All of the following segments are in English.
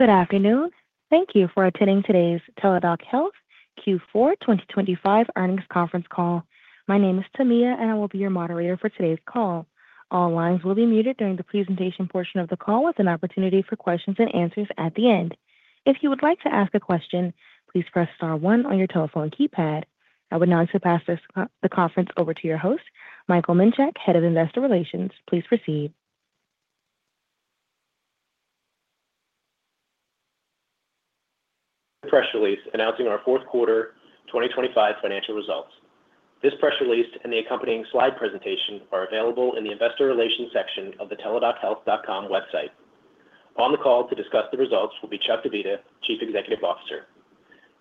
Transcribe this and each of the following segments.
Good afternoon. Thank you for attending today's Teladoc Health Q4 2025 Earnings Conference Call. My name is Tamia, and I will be your moderator for today's call. All lines will be muted during the presentation portion of the call, with an opportunity for questions and answers at the end. If you would like to ask a question, please press star one on your telephone keypad. I would now like to pass this, the conference over to your host, Michael Minchak, Head of Investor Relations. Please proceed. Press release announcing our Fourth Quarter 2025 Financial Results. This press release and the accompanying slide presentation are available in the Investor Relations section of the teladochealth.com website. On the call to discuss the results will be Chuck Divita, Chief Executive Officer.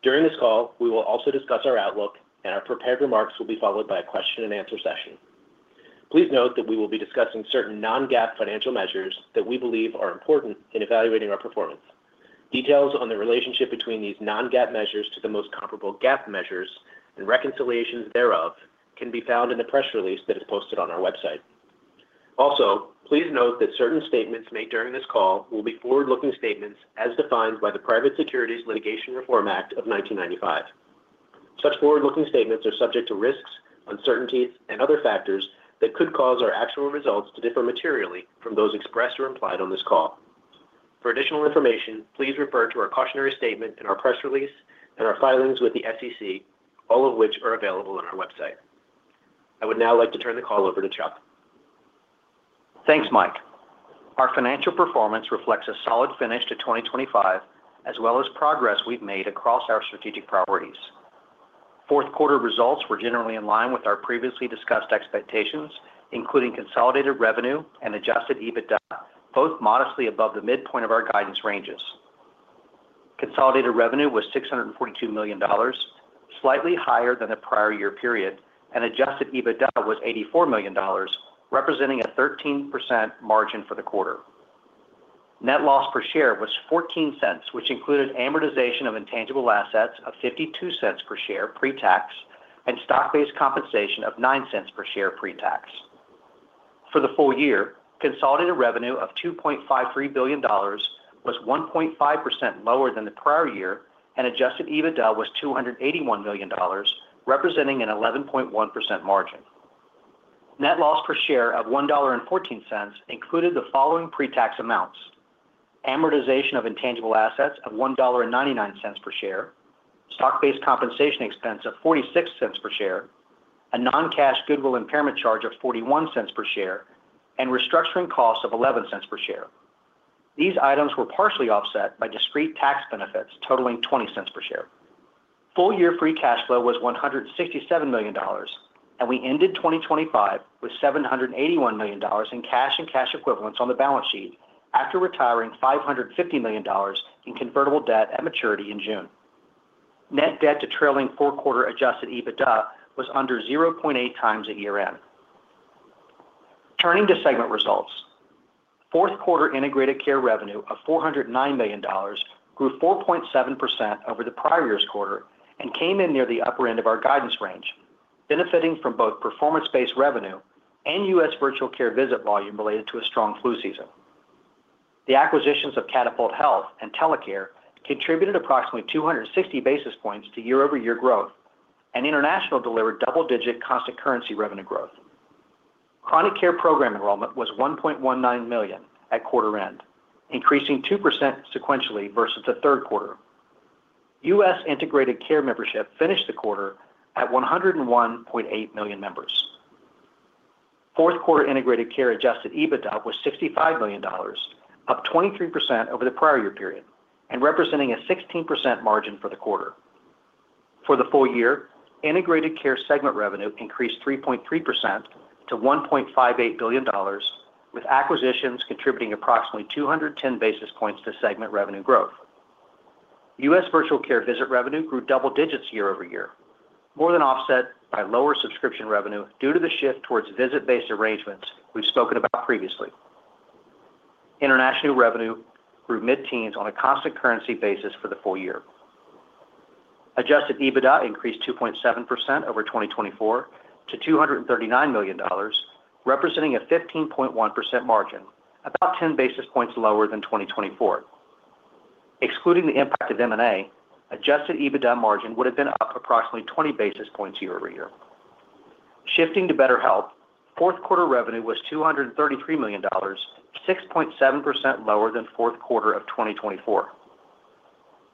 During this call, we will also discuss our outlook, and our prepared remarks will be followed by a question-and-answer session. Please note that we will be discussing certain non-GAAP financial measures that we believe are important in evaluating our performance. Details on the relationship between these non-GAAP measures to the most comparable GAAP measures and reconciliations thereof can be found in the press release that is posted on our website. Also, please note that certain statements made during this call will be forward-looking statements as defined by the Private Securities Litigation Reform Act of 1995. Such forward-looking statements are subject to risks, uncertainties, and other factors that could cause our actual results to differ materially from those expressed or implied on this call. For additional information, please refer to our cautionary statement in our press release and our filings with the SEC, all of which are available on our website. I would now like to turn the call over to Chuck. Thanks, Mike. Our financial performance reflects a solid finish to 2025, as well as progress we've made across our strategic priorities. Fourth quarter results were generally in line with our previously discussed expectations, including consolidated revenue and adjusted EBITDA, both modestly above the midpoint of our guidance ranges. Consolidated revenue was $642 million, slightly higher than the prior year period, and adjusted EBITDA was $84 million, representing a 13% margin for the quarter. Net loss per share was $0.14, which included amortization of intangible assets of $0.52 per share pre-tax, and stock-based compensation of $0.09 per share pre-tax. For the full year, consolidated revenue of $2.53 billion was 1.5% lower than the prior year, and adjusted EBITDA was $281 million, representing an 11.1% margin. Net loss per share of $1.14 included the following pre-tax amounts: amortization of intangible assets of $1.99 per share, stock-based compensation expense of $0.46 per share, a non-cash goodwill impairment charge of $0.41 per share, and restructuring costs of $0.11 per share. These items were partially offset by discrete tax benefits totaling $0.20 per share. Full year free cash flow was $167 million, and we ended 2025 with $781 million in cash and cash equivalents on the balance sheet, after retiring $550 million in convertible debt at maturity in June. Net debt to trailing four-quarter adjusted EBITDA was under 0.8x at year-end. Turning to segment results. Fourth quarter integrated care revenue of $409 million grew 4.7% over the prior year's quarter and came in near the upper end of our guidance range, benefiting from both performance-based revenue and U.S. virtual care visit volume related to a strong flu season. The acquisitions of Catapult Health and Telecare contributed approximately 260 basis points to year-over-year growth, and International delivered double-digit constant currency revenue growth. Chronic care program enrollment was 1.19 million at quarter end, increasing 2% sequentially versus the third quarter. U.S. integrated care membership finished the quarter at 101.8 million members. Fourth quarter integrated care adjusted EBITDA was $65 million, up 23% over the prior year period and representing a 16% margin for the quarter. For the full year, integrated care segment revenue increased 3.3% to $1.58 billion, with acquisitions contributing approximately 210 basis points to segment revenue growth. U.S. virtual care visit revenue grew double digits year-over-year, more than offset by lower subscription revenue due to the shift towards visit-based arrangements we've spoken about previously. International revenue grew mid-teens on a constant currency basis for the full year. Adjusted EBITDA increased 2.7% over 2024 to $239 million, representing a 15.1% margin, about 10 basis points lower than 2024. Excluding the impact of M&A, adjusted EBITDA margin would have been up approximately 20 basis points year-over-year. Shifting to BetterHelp, fourth quarter revenue was $233 million, 6.7% lower than fourth quarter of 2024.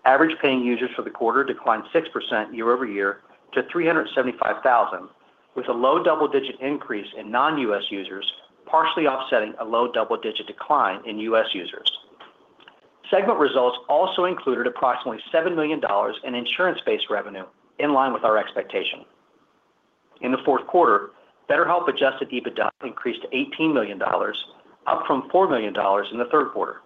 Average paying users for the quarter declined 6% year-over-year to 375,000, with a low double-digit increase in non-US users, partially offsetting a low double-digit decline in US users. Segment results also included approximately $7 million in insurance-based revenue, in line with our expectation. In the fourth quarter, BetterHelp adjusted EBITDA increased to $18 million, up from $4 million in the third quarter.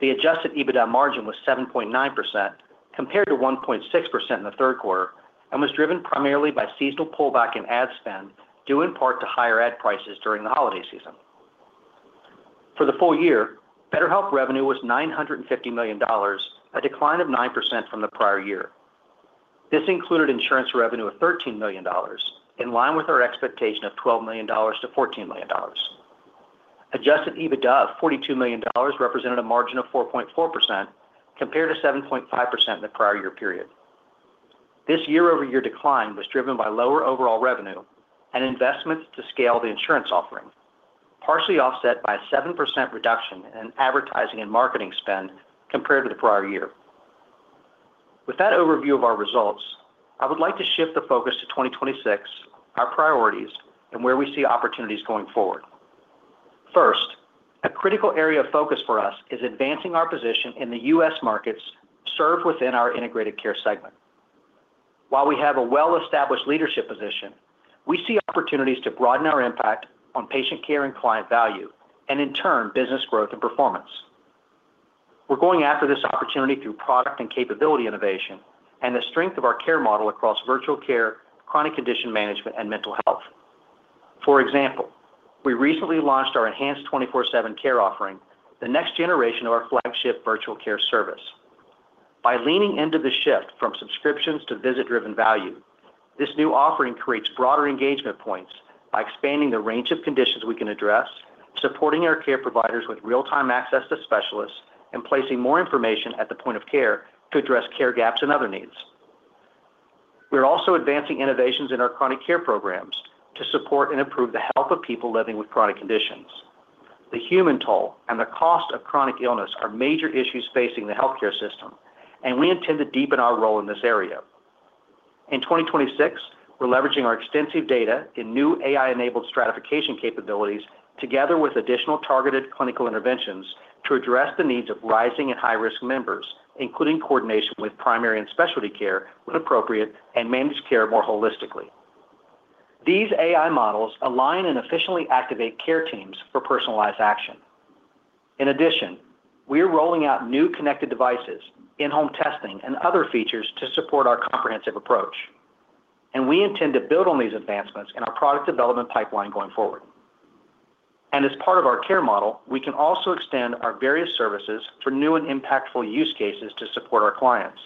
The adjusted EBITDA margin was 7.9%, compared to 1.6% in the third quarter, and was driven primarily by seasonal pullback in ad spend, due in part to higher ad prices during the holiday season. For the full year, BetterHelp revenue was $950 million, a decline of 9% from the prior year. This included insurance revenue of $13 million, in line with our expectation of $12 million to $14 million. Adjusted EBITDA of $42 million represented a margin of 4.4%, compared to 7.5% in the prior year period. This year-over-year decline was driven by lower overall revenue and investments to scale the insurance offering, partially offset by a 7% reduction in advertising and marketing spend compared to the prior year. With that overview of our results, I would like to shift the focus to 2026, our priorities, and where we see opportunities going forward. First, a critical area of focus for us is advancing our position in the U.S. markets served within our integrated care segment. While we have a well-established leadership position, we see opportunities to broaden our impact on patient care and client value, and in turn, business growth and performance. We're going after this opportunity through product and capability innovation and the strength of our care model across virtual care, chronic condition management, and mental health. For example, we recently launched our enhanced 24/7 care offering, the next generation of our flagship virtual care service. By leaning into the shift from subscriptions to visit-driven value, this new offering creates broader engagement points by expanding the range of conditions we can address, supporting our care providers with real-time access to specialists, and placing more information at the point of care to address care gaps and other needs. We are also advancing innovations in our chronic care programs to support and improve the health of people living with chronic conditions. The human toll and the cost of chronic illness are major issues facing the healthcare system, and we intend to deepen our role in this area. In 2026, we're leveraging our extensive data in new AI-enabled stratification capabilities together with additional targeted clinical interventions to address the needs of rising and high-risk members, including coordination with primary and specialty care when appropriate, and manage care more holistically. These AI models align and efficiently activate care teams for personalized action. In addition, we are rolling out new connected devices, in-home testing, and other features to support our comprehensive approach. We intend to build on these advancements in our product development pipeline going forward. As part of our care model, we can also extend our various services for new and impactful use cases to support our clients.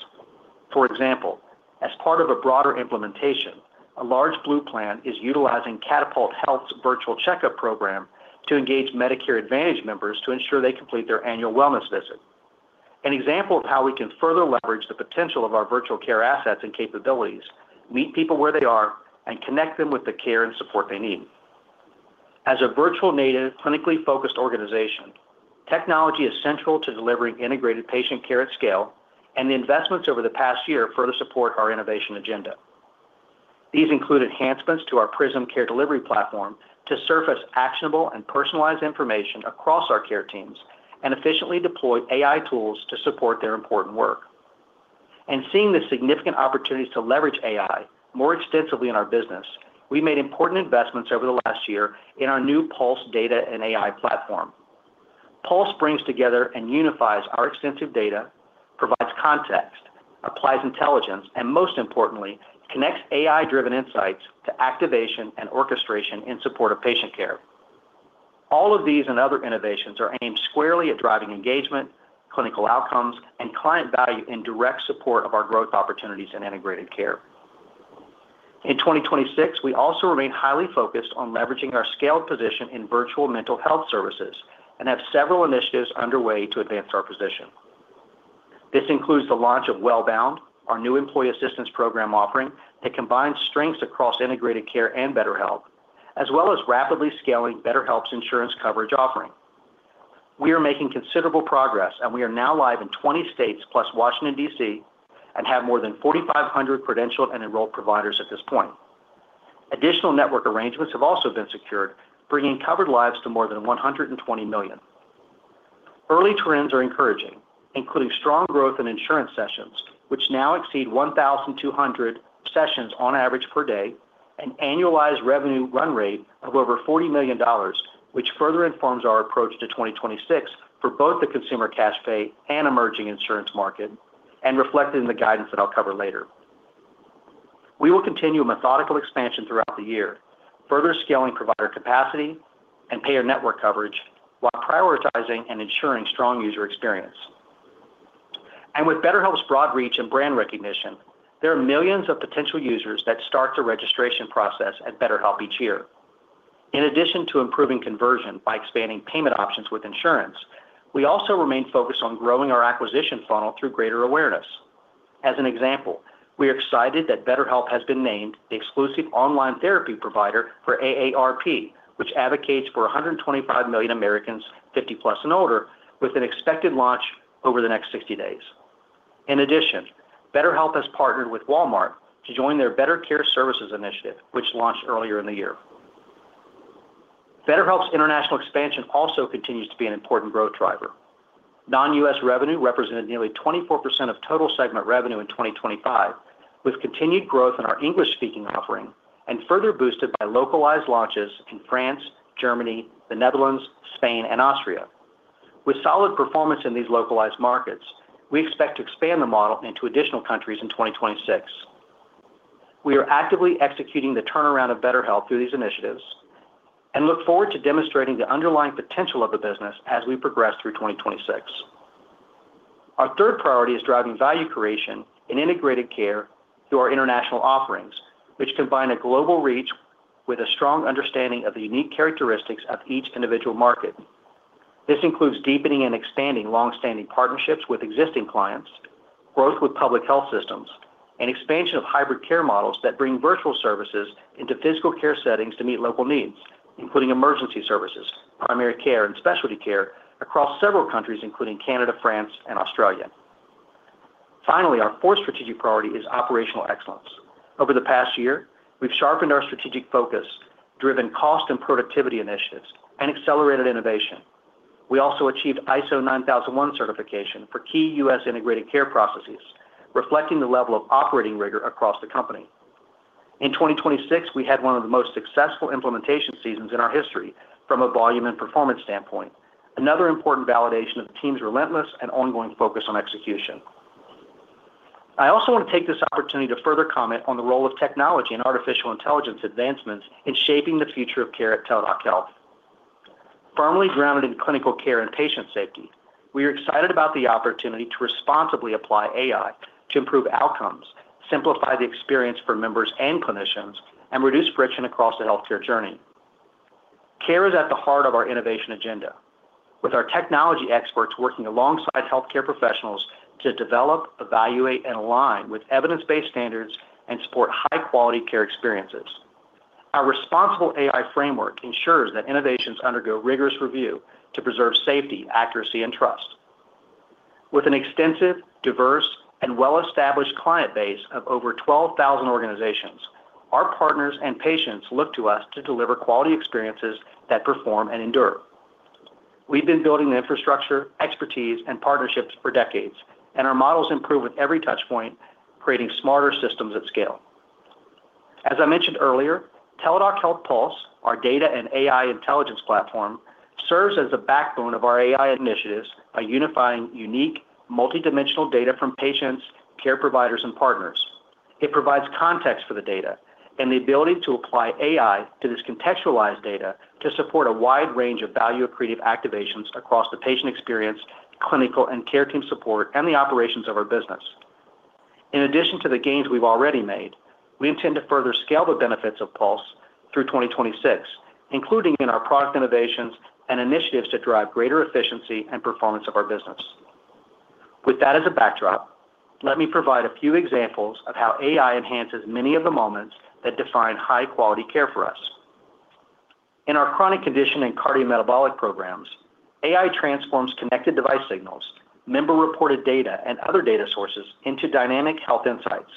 For example, as part of a broader implementation, a large blue plan is utilizing Catapult Health's virtual checkup program to engage Medicare Advantage members to ensure they complete their annual wellness visit. An example of how we can further leverage the potential of our virtual care assets and capabilities, meet people where they are, and connect them with the care and support they need. As a virtual native, clinically focused organization, technology is central to delivering integrated patient care at scale, and the investments over the past year further support our innovation agenda. These include enhancements to our Prism care delivery platform to surface actionable and personalized information across our care teams and efficiently deploy AI tools to support their important work. Seeing the significant opportunities to leverage AI more extensively in our business, we made important investments over the last year in our new Pulse data and AI platform. Pulse brings together and unifies our extensive data, provides context, applies intelligence, and most importantly, connects AI-driven insights to activation and orchestration in support of patient care. All of these and other innovations are aimed squarely at driving engagement, clinical outcomes, and client value in direct support of our growth opportunities in integrated care. In 2026, we also remain highly focused on leveraging our scaled position in virtual mental health services and have several initiatives underway to advance our position. This includes the launch of Wellbound, our new employee assistance program offering, that combines strengths across integrated care and BetterHelp, as well as rapidly scaling BetterHelp's insurance coverage offering. We are making considerable progress. We are now live in 20 states, plus Washington, D.C., and have more than 4,500 credentialed and enrolled providers at this point. Additional network arrangements have also been secured, bringing covered lives to more than 120 million. Early trends are encouraging, including strong growth in insurance sessions, which now exceed 1,200 sessions on average per day, an annualized revenue run rate of over $40 million, which further informs our approach to 2026 for both the consumer cash pay and emerging insurance market, and reflected in the guidance that I'll cover later. We will continue a methodical expansion throughout the year, further scaling provider capacity and payer network coverage while prioritizing and ensuring strong user experience. With BetterHelp's broad reach and brand recognition, there are millions of potential users that start the registration process at BetterHelp each year. In addition to improving conversion by expanding payment options with insurance, we also remain focused on growing our acquisition funnel through greater awareness. As an example, we are excited that BetterHelp has been named the exclusive online therapy provider for AARP, which advocates for 125 million Americans, 50+ and older, with an expected launch over the next 60 days. In addition, BetterHelp has partnered with Walmart to join their Better Care Services initiative, which launched earlier in the year. BetterHelp's international expansion also continues to be an important growth driver. Non-US revenue represented nearly 24% of total segment revenue in 2025, with continued growth in our English-speaking offering and further boosted by localized launches in France, Germany, the Netherlands, Spain, and Austria. With solid performance in these localized markets, we expect to expand the model into additional countries in 2026. We are actively executing the turnaround of BetterHelp through these initiatives and look forward to demonstrating the underlying potential of the business as we progress through 2026. Our third priority is driving value creation in integrated care through our international offerings, which combine a global reach with a strong understanding of the unique characteristics of each individual market. This includes deepening and expanding long-standing partnerships with existing clients, growth with public health systems, and expansion of hybrid care models that bring virtual services into physical care settings to meet local needs, including emergency services, primary care, and specialty care across several countries, including Canada, France, and Australia. Finally, our fourth strategic priority is operational excellence. Over the past year, we've sharpened our strategic focus, driven cost and productivity initiatives, and accelerated innovation. We also achieved ISO 9001 certification for key U.S. integrated care processes, reflecting the level of operating rigor across the company. In 2026, we had one of the most successful implementation seasons in our history from a volume and performance standpoint, another important validation of the team's relentless and ongoing focus on execution. I also want to take this opportunity to further comment on the role of technology and artificial intelligence advancements in shaping the future of care at Teladoc Health. Firmly grounded in clinical care and patient safety, we are excited about the opportunity to responsibly apply AI to improve outcomes, simplify the experience for members and clinicians, and reduce friction across the healthcare journey. Care is at the heart of our innovation agenda, with our technology experts working alongside healthcare professionals to develop, evaluate, align with evidence-based standards, and support high-quality care experiences. Our responsible AI framework ensures that innovations undergo rigorous review to preserve safety, accuracy, and trust. With an extensive, diverse, and well-established client base of over 12,000 organizations, our partners and patients look to us to deliver quality experiences that perform and endure. We've been building the infrastructure, expertise, and partnerships for decades. Our models improve with every touchpoint, creating smarter systems at scale. As I mentioned earlier, Teladoc Health Pulse, our data and AI intelligence platform, serves as the backbone of our AI initiatives by unifying unique, multidimensional data from patients, care providers, and partners. It provides context for the data and the ability to apply AI to this contextualized data to support a wide range of value-accretive activations across the patient experience, clinical and care team support, and the operations of our business. In addition to the gains we've already made, we intend to further scale the benefits of Pulse through 2026, including in our product innovations and initiatives to drive greater efficiency and performance of our business. With that as a backdrop, let me provide a few examples of how AI enhances many of the moments that define high-quality care for us. In our chronic condition and cardiometabolic programs, AI transforms connected device signals, member-reported data, and other data sources into dynamic health insights.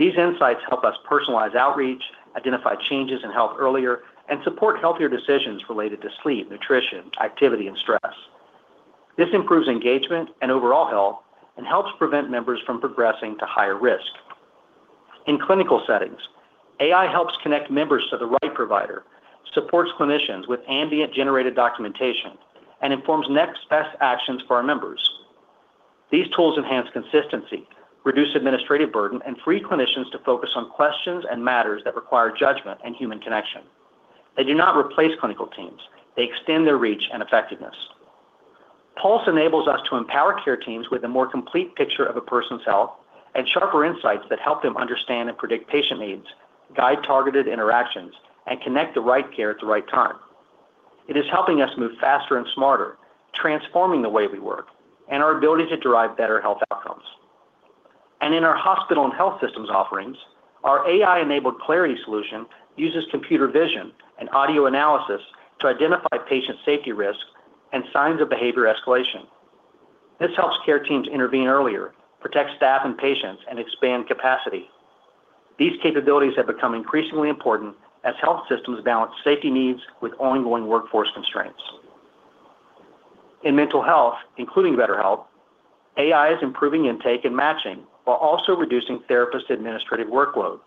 These insights help us personalize outreach, identify changes in health earlier, and support healthier decisions related to sleep, nutrition, activity, and stress. This improves engagement and overall health and helps prevent members from progressing to higher risk. In clinical settings, AI helps connect members to the right provider, supports clinicians with ambient-generated documentation, and informs next best actions for our members. These tools enhance consistency, reduce administrative burden, and free clinicians to focus on questions and matters that require judgment and human connection. They do not replace clinical teams. They extend their reach and effectiveness. Pulse enables us to empower care teams with a more complete picture of a person's health and sharper insights that help them understand and predict patient needs, guide targeted interactions, and connect the right care at the right time. It is helping us move faster and smarter, transforming the way we work and our ability to derive better health outcomes. In our hospital and health systems offerings, our AI-enabled Clarity solution uses computer vision and audio analysis to identify patient safety risks and signs of behavior escalation. This helps care teams intervene earlier, protect staff and patients, and expand capacity. These capabilities have become increasingly important as health systems balance safety needs with ongoing workforce constraints. In mental health, including BetterHelp, AI is improving intake and matching while also reducing therapist administrative workload.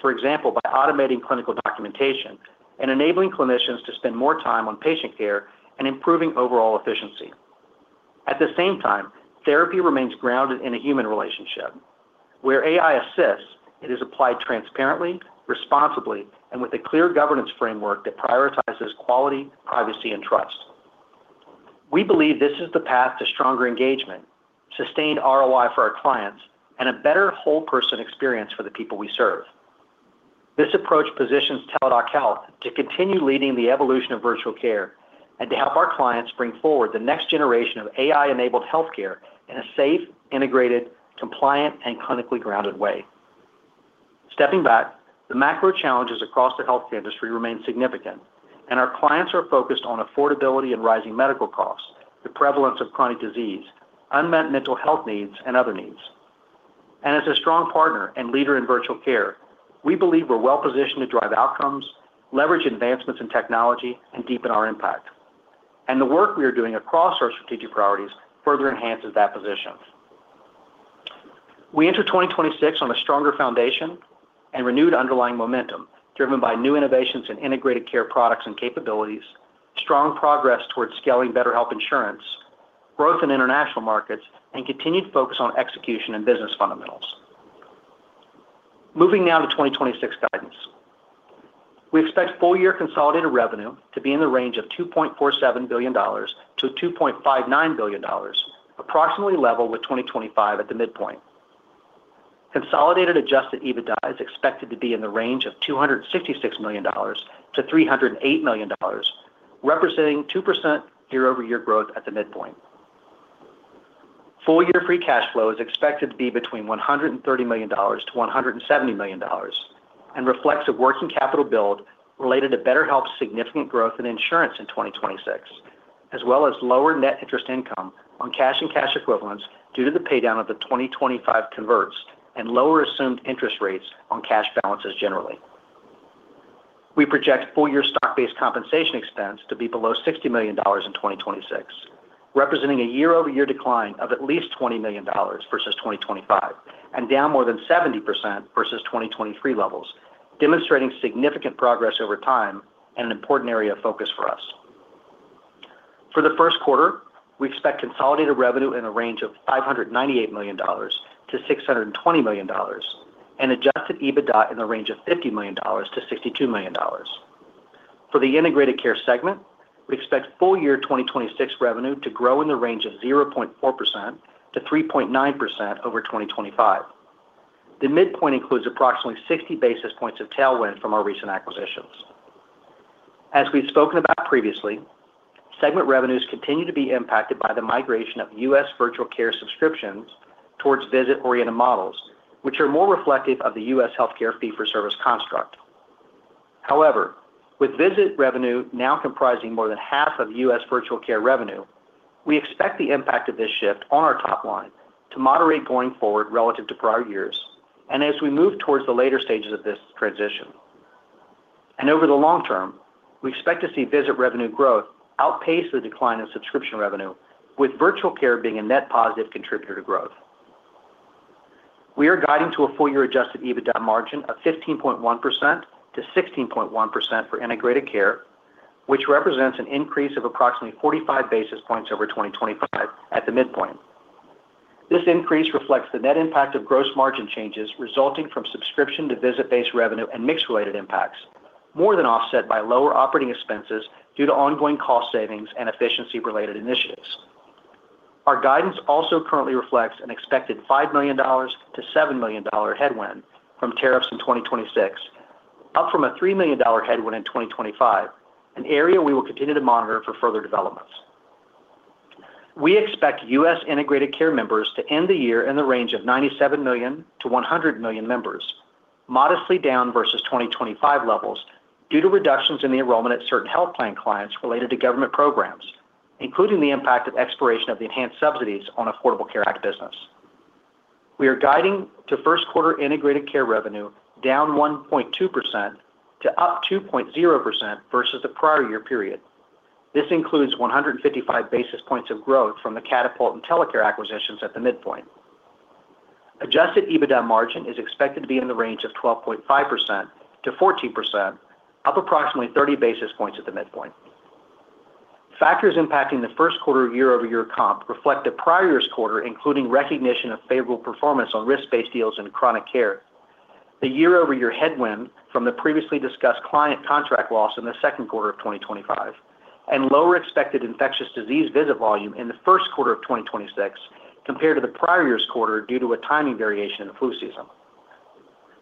For example, by automating clinical documentation and enabling clinicians to spend more time on patient care and improving overall efficiency. At the same time, therapy remains grounded in a human relationship. Where AI assists, it is applied transparently, responsibly, and with a clear governance framework that prioritizes quality, privacy, and trust. We believe this is the path to stronger engagement, sustained ROI for our clients, and a better whole person experience for the people we serve. This approach positions Teladoc Health to continue leading the evolution of virtual care and to help our clients bring forward the next generation of AI-enabled healthcare in a safe, integrated, compliant, and clinically grounded way. Stepping back, the macro challenges across the healthcare industry remain significant, our clients are focused on affordability and rising medical costs, the prevalence of chronic disease, unmet mental health needs, and other needs. As a strong partner and leader in virtual care, we believe we're well positioned to drive outcomes, leverage advancements in technology, and deepen our impact. The work we are doing across our strategic priorities further enhances that position. We enter 2026 on a stronger foundation and renewed underlying momentum, driven by new innovations in integrated care products and capabilities, strong progress towards scaling BetterHelp insurance growth in international markets, and continued focus on execution and business fundamentals. Moving now to 2026 guidance. We expect full year consolidated revenue to be in the range of $2.47 billion to $2.59 billion, approximately level with 2025 at the midpoint. Consolidated adjusted EBITDA is expected to be in the range of $266 million to $308 million, representing 2% year-over-year growth at the midpoint. Full-year free cash flow is expected to be between $130 million to $170 million, and reflects a working capital build related to BetterHelp's significant growth in insurance in 2026, as well as lower net interest income on cash and cash equivalents due to the paydown of the 2025 converts and lower assumed interest rates on cash balances generally. We project full-year stock-based compensation expense to be below $60 million in 2026, representing a year-over-year decline of at least $20 million versus 2025, and down more than 70% versus 2023 levels, demonstrating significant progress over time and an important area of focus for us. For the first quarter, we expect consolidated revenue in a range of $598 million to $620 million, and adjusted EBITDA in the range of $50 million to $62 million. For the integrated care segment, we expect full year 2026 revenue to grow in the range of 0.4%-3.9% over 2025. The midpoint includes approximately 60 basis points of tailwind from our recent acquisitions. As we've spoken about previously, segment revenues continue to be impacted by the migration of U.S. virtual care subscriptions towards visit-oriented models, which are more reflective of the U.S. healthcare fee-for-service construct. However, with visit revenue now comprising more than half of U.S. virtual care revenue, we expect the impact of this shift on our top line to moderate going forward relative to prior years and as we move towards the later stages of this transition. Over the long term, we expect to see visit revenue growth outpace the decline in subscription revenue, with virtual care being a net positive contributor to growth. We are guiding to a full year adjusted EBITDA margin of 15.1%-16.1% for integrated care, which represents an increase of approximately 45 basis points over 2025 at the midpoint. This increase reflects the net impact of gross margin changes resulting from subscription to visit-based revenue and mix related impacts, more than offset by lower operating expenses due to ongoing cost savings and efficiency-related initiatives. Our guidance also currently reflects an expected $5 million to $7 million headwind from tariffs in 2026, up from a $3 million headwind in 2025, an area we will continue to monitor for further developments. We expect U.S. integrated care members to end the year in the range of 97 million-100 million members, modestly down versus 2025 levels due to reductions in the enrollment at certain health plan clients related to government programs, including the impact of expiration of the enhanced subsidies on Affordable Care Act business. We are guiding to first quarter integrated care revenue down 1.2% to up 2.0% versus the prior year period. This includes 155 basis points of growth from the Catapult and Telecare acquisitions at the midpoint. Adjusted EBITDA margin is expected to be in the range of 12.5%-14%, up approximately 30 basis points at the midpoint. Factors impacting the first quarter year-over-year comp reflect the prior year's quarter, including recognition of favorable performance on risk-based deals and chronic care. The year-over-year headwind from the previously discussed client contract loss in the second quarter of 2025, and lower expected infectious disease visit volume in the first quarter of 2026 compared to the prior year's quarter due to a timing variation in flu season.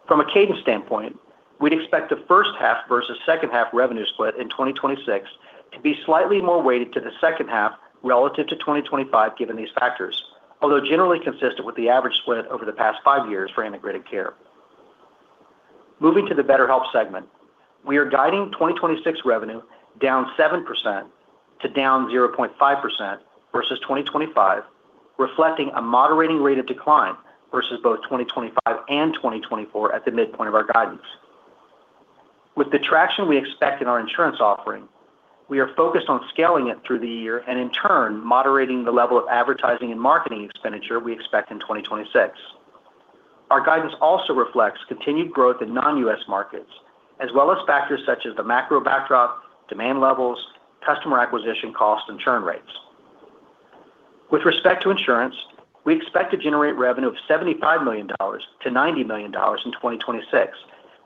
From a cadence standpoint, we'd expect the first half versus second half revenue split in 2026 to be slightly more weighted to the second half relative to 2025, given these factors, although generally consistent with the average split over the past 5 years for integrated care. Moving to the BetterHelp segment, we are guiding 2026 revenue down 7% to down 0.5% versus 2025, reflecting a moderating rate of decline versus both 2025 and 2024 at the midpoint of our guidance. With the traction we expect in our insurance offering, we are focused on scaling it through the year and in turn, moderating the level of advertising and marketing expenditure we expect in 2026. Our guidance also reflects continued growth in non-U.S. markets, as well as factors such as the macro backdrop, demand levels, customer acquisition costs, and churn rates. With respect to insurance, we expect to generate revenue of $75 million to $90 million in 2026,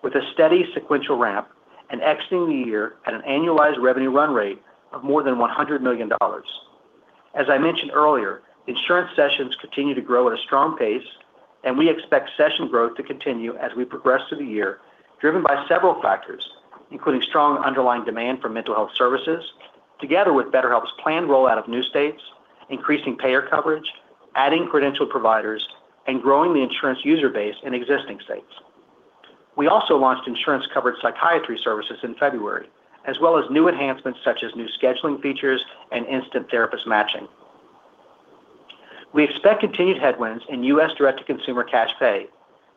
with a steady sequential ramp and exiting the year at an annualized revenue run rate of more than $100 million. As I mentioned earlier, insurance sessions continue to grow at a strong pace, we expect session growth to continue as we progress through the year, driven by several factors, including strong underlying demand for mental health services, together with BetterHelp's planned rollout of new states, increasing payer coverage, adding credentialed providers, and growing the insurance user base in existing states. We also launched insurance-covered psychiatry services in February, as well as new enhancements such as new scheduling features and instant therapist matching. We expect continued headwinds in U.S. direct-to-consumer cash pay,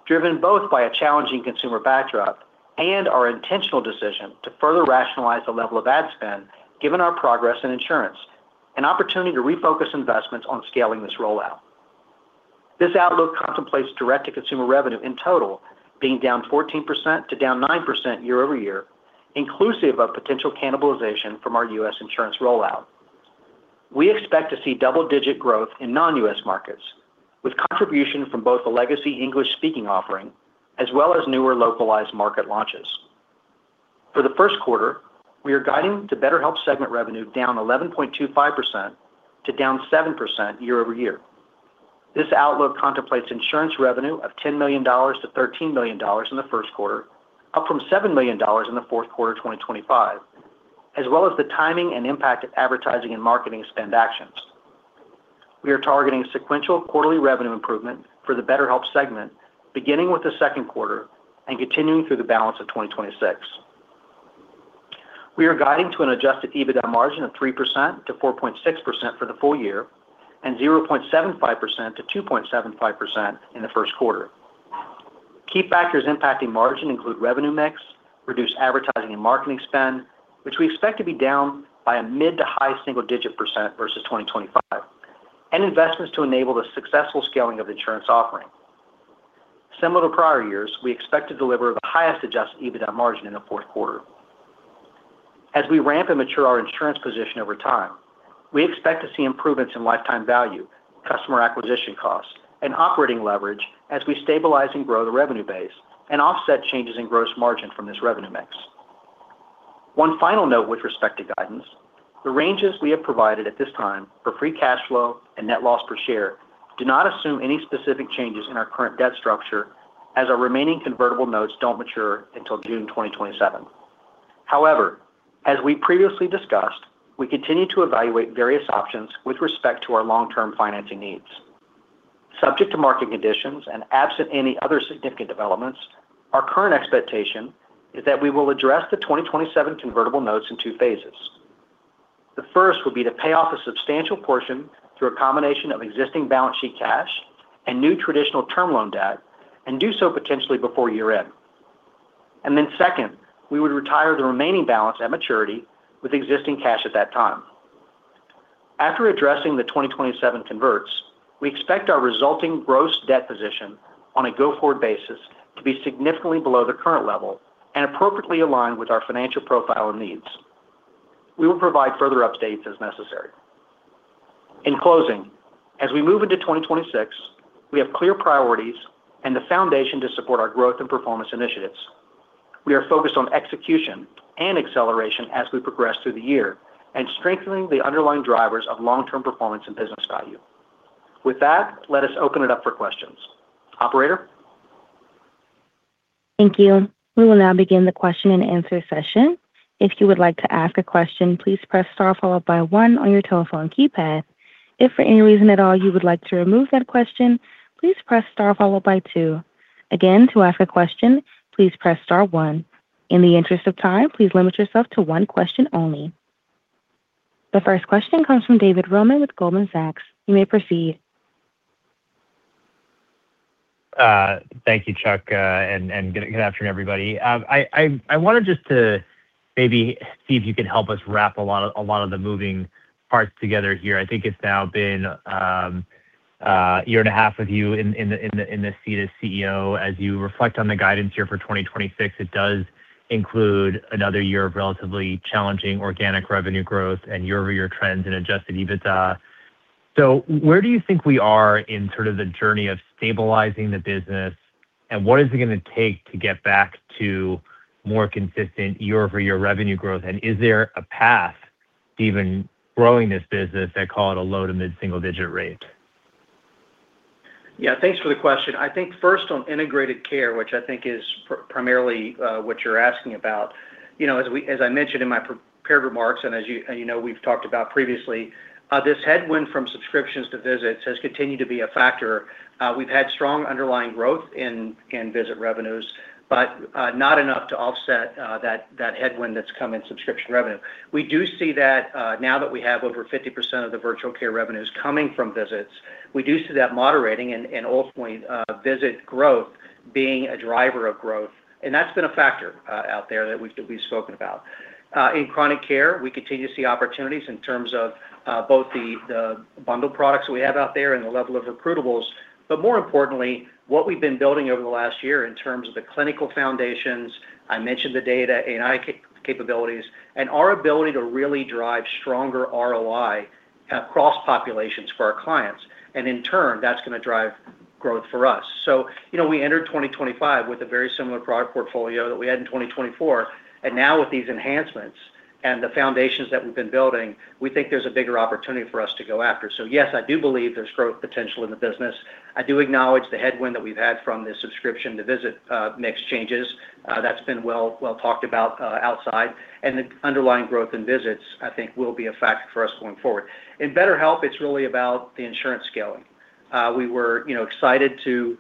driven both by a challenging consumer backdrop and our intentional decision to further rationalize the level of ad spend given our progress in insurance, an opportunity to refocus investments on scaling this rollout. This outlook contemplates direct-to-consumer revenue in total being -14% to -9% year-over-year, inclusive of potential cannibalization from our U.S. insurance rollout. We expect to see double-digit growth in non-U.S. markets, with contributions from both the legacy English-speaking offering as well as newer localized market launches. For the first quarter, we are guiding the BetterHelp segment revenue -11.25% to -7% year-over-year. This outlook contemplates insurance revenue of $10 million to $13 million in the first quarter, up from $7 million in the fourth quarter of 2025, as well as the timing and impact of advertising and marketing spend actions. We are targeting sequential quarterly revenue improvement for the BetterHelp segment, beginning with the second quarter and continuing through the balance of 2026. We are guiding to an adjusted EBITDA margin of 3%-4.6% for the full year and 0.75%-2.75% in the first quarter. Key factors impacting margin include revenue mix, reduced advertising and marketing spend, which we expect to be down by a mid to high single-digit percent versus 2025, and investments to enable the successful scaling of the insurance offering. Similar to prior years, we expect to deliver the highest adjusted EBITDA margin in the fourth quarter. As we ramp and mature our insurance position over time, we expect to see improvements in lifetime value, customer acquisition costs, and operating leverage as we stabilize and grow the revenue base and offset changes in gross margin from this revenue mix. One final note with respect to guidance, the ranges we have provided at this time for free cash flow and net loss per share do not assume any specific changes in our current debt structure as our remaining convertible notes don't mature until June 2027. However, as we previously discussed, we continue to evaluate various options with respect to our long-term financing needs. Subject to market conditions and absent any other significant developments, our current expectation is that we will address the 2027 convertible notes in 2 phases. The first would be to pay off a substantial portion through a combination of existing balance sheet cash and new traditional term loan debt, and do so potentially before year-end. Second, we would retire the remaining balance at maturity with existing cash at that time. After addressing the 2027 converts, we expect our resulting gross debt position on a go-forward basis to be significantly below the current level and appropriately aligned with our financial profile and needs. We will provide further updates as necessary. In closing, as we move into 2026, we have clear priorities and the foundation to support our growth and performance initiatives. We are focused on execution and acceleration as we progress through the year and strengthening the underlying drivers of long-term performance and business value. With that, let us open it up for questions. Operator? Thank you. We will now begin the question and answer session. If you would like to ask a question, please press star followed by one on your telephone keypad. If for any reason at all, you would like to remove that question, please press star followed by two. Again, to ask a question, please press star one. In the interest of time, please limit yourself to one question only. The first question comes from David Roman with Goldman Sachs. You may proceed. Thank you, Chuck, and good afternoon, everybody. I wanted just to maybe see if you could help us wrap a lot of the moving parts together here. I think it's now been a year and a half with you in the seat as CEO. As you reflect on the guidance here for 2026, it does include another year of relatively challenging organic revenue growth and year-over-year trends in adjusted EBITDA. Where do you think we are in sort of the journey of stabilizing the business, and what is it gonna take to get back to more consistent year-over-year revenue growth? Is there a path to even growing this business and call it a low to mid-single digit rate? Yeah, thanks for the question. I think first on integrated care, which I think is primarily what you're asking about, you know, as I mentioned in my prepared remarks, and as you know, we've talked about previously, this headwind from subscriptions to visits has continued to be a factor. We've had strong underlying growth in visit revenues, but not enough to offset that headwind that's come in subscription revenue. We do see that, now that we have over 50% of the virtual care revenues coming from visits, we do see that moderating and ultimately visit growth being a driver of growth. That's been a factor out there that we've spoken about. In chronic care, we continue to see opportunities in terms of both the bundle products we have out there and the level of recruitables, but more importantly, what we've been building over the last year in terms of the clinical foundations, I mentioned the data, AI capabilities, and our ability to really drive stronger ROI across populations for our clients, and in turn, that's gonna drive growth for us. You know, we entered 2025 with a very similar product portfolio that we had in 2024, and now with these enhancements and the foundations that we've been building, we think there's a bigger opportunity for us to go after. Yes, I do believe there's growth potential in the business. I do acknowledge the headwind that we've had from the subscription to visit mix changes. That's been well talked about outside, and the underlying growth in visits, I think, will be a factor for us going forward. In BetterHelp, it's really about the insurance scaling. We were, you know, excited to,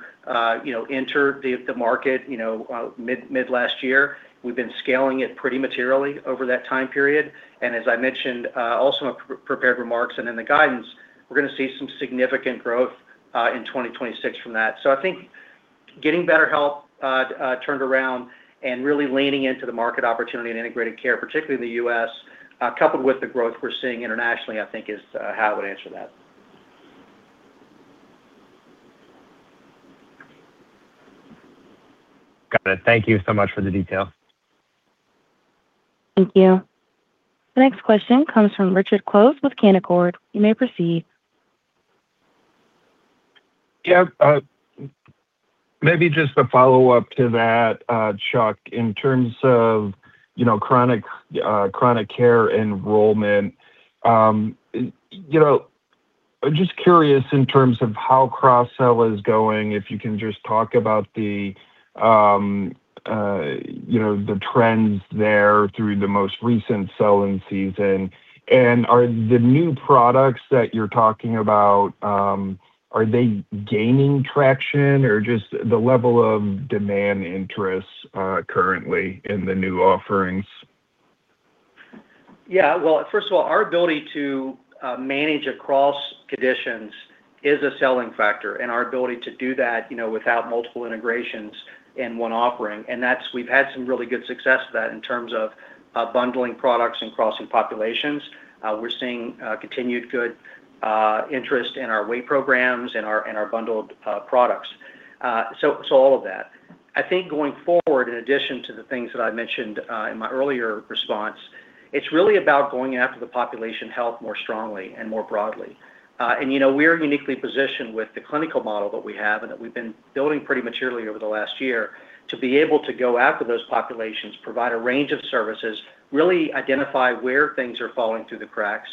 you know, enter the market, you know, mid last year. We've been scaling it pretty materially over that time period, and as I mentioned, also in prepared remarks and in the guidance, we're gonna see some significant growth in 2026 from that. I think. Getting BetterHelp turned around and really leaning into the market opportunity in integrated care, particularly in the U.S., coupled with the growth we're seeing internationally, I think is how I would answer that. Got it. Thank you so much for the detail. Thank you. The next question comes from Richard Close with Canaccord. You may proceed. Yeah, maybe just a follow-up to that, Chuck, in terms of chronic care enrollment I'm just curious in terms of how cross-sell is going, if you can just talk about the, you know, the trends there through the most recent selling season. Are the new products that you're talking about, are they gaining traction or just the level of demand interest currently in the new offerings? Well, first of all, our ability to manage across conditions is a selling factor, and our ability to do that, you know, without multiple integrations in one offering. That's we've had some really good success to that in terms of bundling products and crossing populations. We're seeing continued good interest in our weight programs and our bundled products. All of that. I think going forward, in addition to the things that I mentioned in my earlier response, it's really about going after the population health more strongly and more broadly. You know, we are uniquely positioned with the clinical model that we have and that we've been building pretty materially over the last year to be able to go after those populations, provide a range of services, really identify where things are falling through the cracks,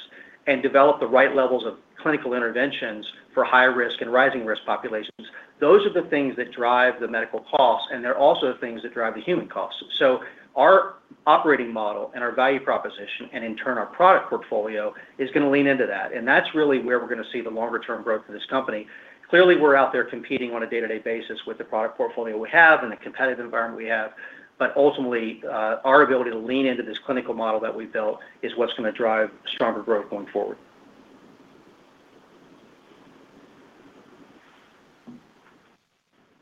and develop the right levels of clinical interventions for high risk and rising risk populations. Those are the things that drive the medical costs, and they're also the things that drive the human costs. Our operating model and our value proposition, and in turn, our product portfolio, is gonna lean into that, and that's really where we're gonna see the longer term growth in this company. Clearly, we're out there competing on a day-to-day basis with the product portfolio we have and the competitive environment we have, but ultimately, our ability to lean into this clinical model that we built is what's gonna drive stronger growth going forward.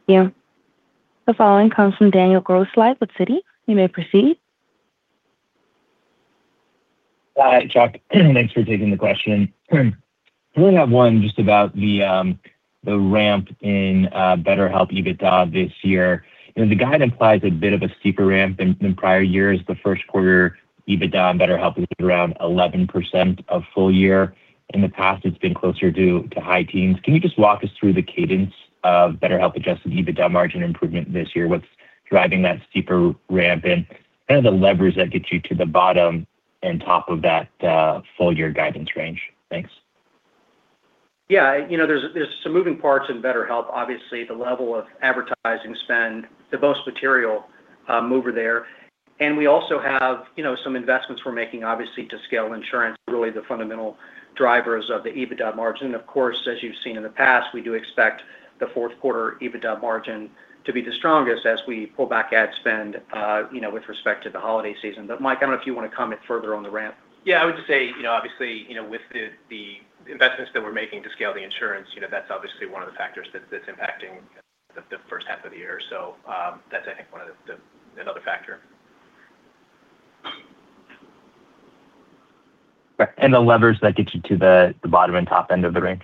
Thank you. The following comes from Daniel Grosslight with Citi. You may proceed. Hi, Chuck. Thanks for taking the question. I only have one just about the ramp in BetterHelp EBITDA this year. You know, the guide implies a bit of a steeper ramp than prior years, the first quarter EBITDA BetterHelp is around 11% of full year. In the past, it's been closer to high teens. Can you just walk us through the cadence of BetterHelp adjusted EBITDA margin improvement this year? What's driving that steeper ramp and the levers that get you to the bottom and top of that full year guidance range? Thanks. You know, there's some moving parts in BetterHelp, obviously, the level of advertising spend, the most material mover there. We also have some investments we're making, obviously, to scale insurance, really the fundamental drivers of the EBITDA margin. Of course, as you've seen in the past, we do expect the fourth quarter EBITDA margin to be the strongest as we pull back ad spend, you know, with respect to the holiday season. Mike, I don't know if you want to comment further on the ramp. Yeah, I would just say, obviously, with the investments that we're making to scale the insurance, you know, that's obviously one of the factors that's impacting the first half of the year. That's one of the another factor. The levers that get you to the bottom and top end of the range?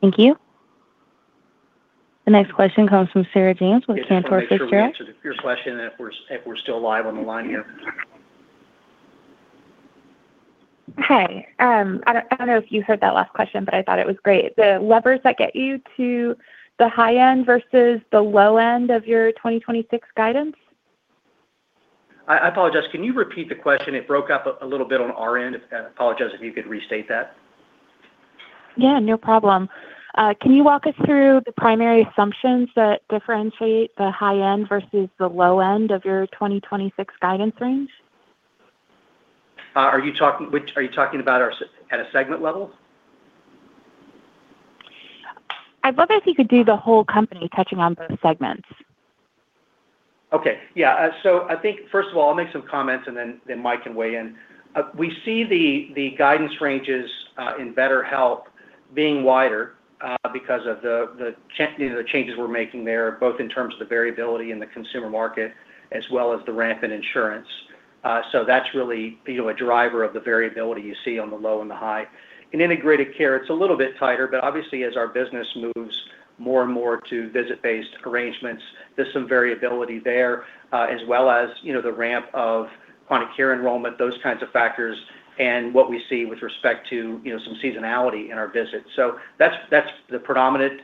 Thank you. The next question comes from Sarah James with Cantor Fitzgerald. To make sure we answered your question, if we're still live on the line here. Hi, I don't know if you heard that last question, but I thought it was great. The levers that get you to the high end versus the low end of your 2026 guidance? I apologize. Can you repeat the question? It broke up a little bit on our end. I apologize, if you could restate that. Yeah, no problem. Can you walk us through the primary assumptions that differentiate the high end versus the low end of your 2026 guidance range? Are you talking about at a segment level? I'd love if you could do the whole company touching on both segments. Okay. Yeah, I think, first of all, I'll make some comments, and then Mike can weigh in. We see the guidance ranges in BetterHelp being wider because of the changes we're making there, both in terms of the variability in the consumer market as well as the ramp in insurance. That's really, you know, a driver of the variability you see on the low and the high. In integrated care, it's a little bit tighter, but obviously, as our business moves more and more to visit-based arrangements, there's some variability there, as well as, you know, the ramp of chronic care enrollment, those kinds of factors, and what we see with respect to, you know, some seasonality in our visits. That's, that's the predominant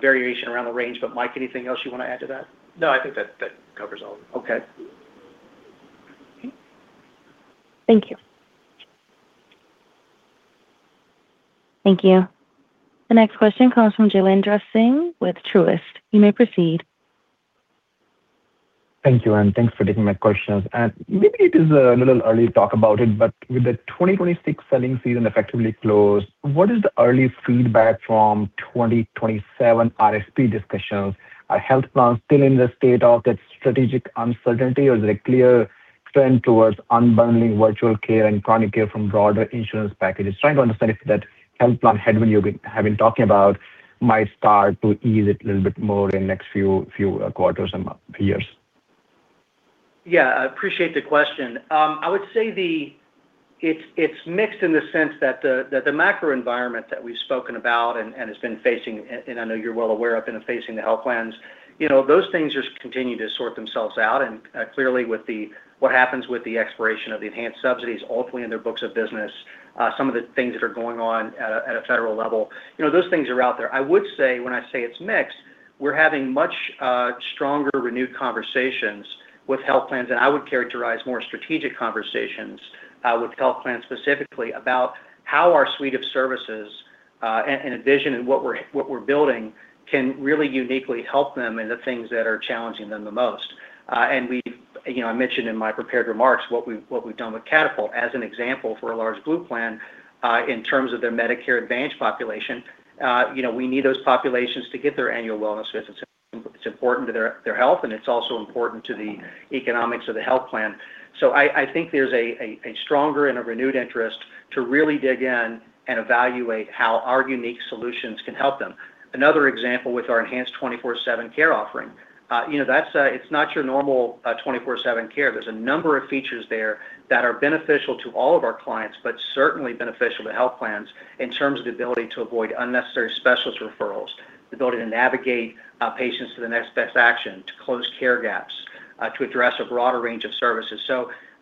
variation around the range. Mike, anything else you want to add to that? No, I think that covers all of it. Okay. Thank you. Thank you. The next question comes from Jailendra Singh with Truist. You may proceed. Thank you, thanks for taking my questions. Maybe it is a little early to talk about it, but with the 2026 selling season effectively closed, what is the early feedback from 2027 RFP discussions? Are health plans still in the state of that strategic uncertainty, or is it clear trend towards unbundling virtual care and chronic care from broader insurance packages. Trying to understand if that health plan headwind have been talking about might start to ease it a little bit more in next few quarters and, years. Yeah, I appreciate the question. I would say it's mixed in the sense that the macro environment that we've spoken about and has been facing, and I know you're well aware of, been facing the health plans, you know, those things just continue to sort themselves out. Clearly, with what happens with the expiration of the enhanced subsidies, ultimately in their books of business, some of the things that are going on at a federal level, you know, those things are out there. I would say, when I say it's mixed, we're having much, stronger, renewed conversations with health plans, and I would characterize more strategic conversations, with health plans specifically about how our suite of services, and vision and what we're, what we're building can really uniquely help them in the things that are challenging them the most. I mentioned in my prepared remarks what we've, what we've done with Catapult as an example for a large blue plan, in terms of their Medicare Advantage population. You know, we need those populations to get their annual wellness visits. It's important to their health, and it's also important to the economics of the health plan. I think there's a, a stronger and a renewed interest to really dig in and evaluate how our unique solutions can help them. Another example with our enhanced 24/7 care offering that's, it's not your normal 24/7 care. There's a number of features there that are beneficial to all of our clients, but certainly beneficial to health plans in terms of the ability to avoid unnecessary specialist referrals, the ability to navigate patients to the next best action, to close care gaps, to address a broader range of services.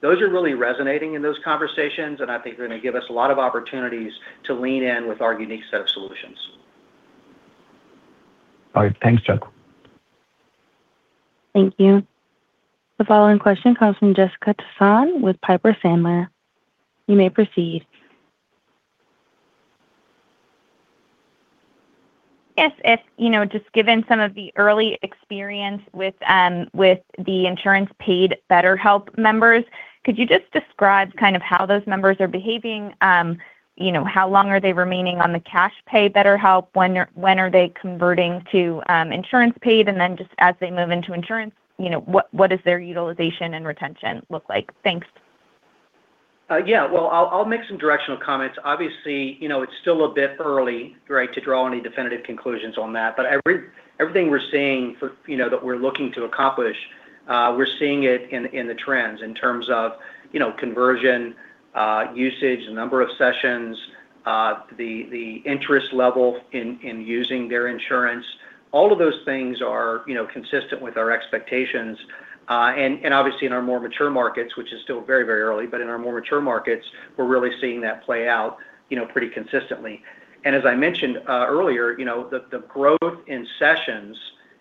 Those are really resonating in those conversations, and I think they're gonna give us a lot of opportunities to lean in with our unique set of solutions. All right. Thanks, Chuck. Thank you. The following question comes from Jessica Tassan with Piper Sandler. You may proceed. Yes, if, you know, just given some of the early experience with the insurance paid BetterHelp members, could you just describe kind of how those members are behaving? You know, how long are they remaining on the cash pay BetterHelp? When are they converting to, insurance paid? Then just as they move into insurance, you know, what does their utilization and retention look like? Thanks. Well, I'll make some directional comments. Obviously, it's still a bit early, right, to draw any definitive conclusions on that. Everything we're seeing for what we're looking to accomplish, we're seeing it in the trends in terms of conversion, usage, number of sessions, the interest level in using their insurance. All of those things are consistent with our expectations. Obviously, in our more mature markets, which is still very early, but in our more mature markets, we're really seeing that play out pretty consistently. As I mentioned earlier the growth in sessions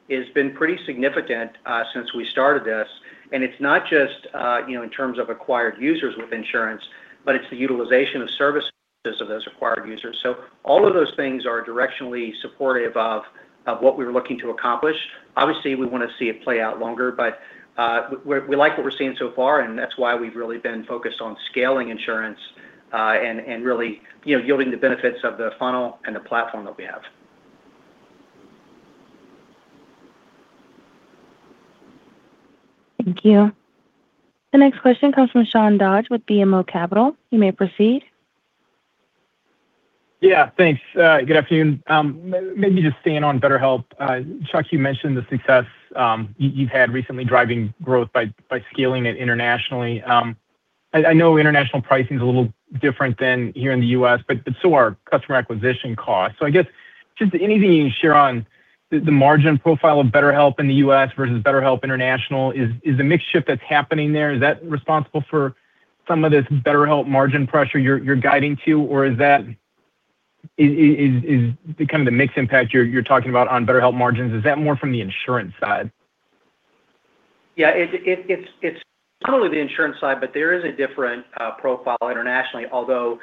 has been pretty significant since we started this. It's not just in terms of acquired users with insurance, but it's the utilization of services of those acquired users. All of those things are directionally supportive of what we're looking to accomplish. Obviously, we wanna see it play out longer, we like what we're seeing so far, and that's why we've really been focused on scaling insurance, and really yielding the benefits of the funnel and the platform that we have. Thank you. The next question comes from Sean Dodge with BMO Capital. You may proceed. Thanks. Good afternoon. Maybe just staying on BetterHelp, Chuck, you mentioned the success you've had recently driving growth by scaling it internationally. I know international pricing is a little different than here in the U.S., but so are customer acquisition costs. I guess just anything you can share on the margin profile of BetterHelp in the U.S. versus BetterHelp International. Is the mix shift that's happening there, is that responsible for some of this BetterHelp margin pressure you're guiding to? Is that kind of the mix impact you're talking about on BetterHelp margins, is that more from the insurance side? Yeah, it's totally the insurance side, but there is a different profile internationally, although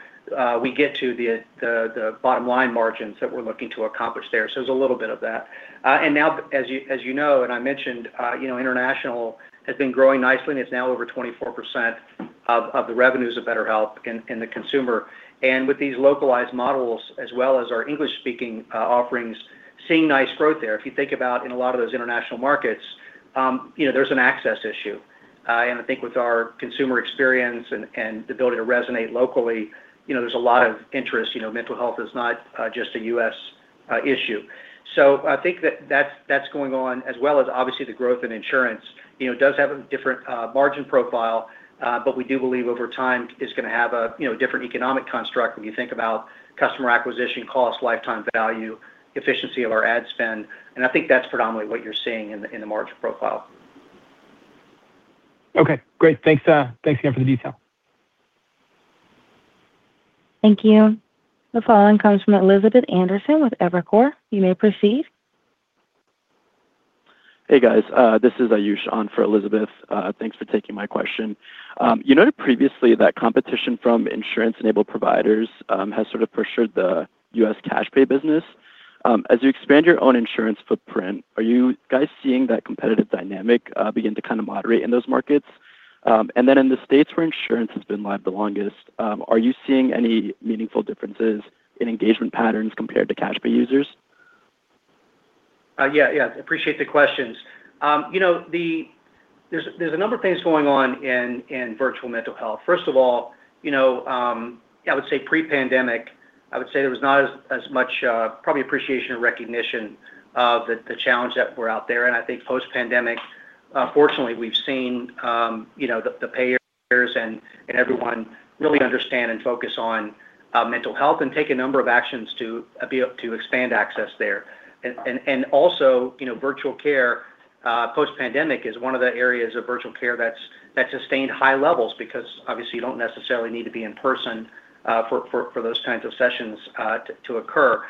we get to the bottom line margins that we're looking to accomplish there. There's a little bit of that. Now, as you know, and I mentioned, international has been growing nicely, and it's now over 24% of the revenues of BetterHelp in the consumer. With these localized models, as well as our English-speaking offerings, seeing nice growth there. If you think about in a lot of those international markets there's an access issue. And I think with our consumer experience and the ability to resonate locally there's a lot of interest. You know, mental health is not just a U.S. issue. I think that that's going on, as well as obviously the growth in insurance does have a different margin profile, but we do believe over time, it's gonna have a different economic construct when you think about customer acquisition costs, lifetime value, efficiency of our ad spend, and I think that's predominantly what you're seeing in the margin profile. Okay, great. Thanks again for the detail. Thank you. The following comes from Elizabeth Anderson with Evercore. You may proceed. Hey, guys. This is Ayush on for Elizabeth. Thanks for taking my question. You noted previously that competition from insurance-enabled providers has sort of pressured the US cash pay business. As you expand your own insurance footprint, are you guys seeing that competitive dynamic begin to kind of moderate in those markets? In the states where insurance has been live the longest, are you seeing any meaningful differences in engagement patterns compared to cash pay users? Yeah, yeah, appreciate the questions. You know, there's a number of things going on in virtual mental health. First of all, you know, I would say pre-pandemic, there was not as much probably appreciation and recognition of the challenge that were out there. I think post-pandemic, fortunately, we've seen, you know, the payers and everyone really understand and focus on mental health and take a number of actions to be able to expand access there. Also, you know, virtual care post-pandemic is one of the areas of virtual care that's sustained high levels, because obviously you don't necessarily need to be in person for those kinds of sessions to occur.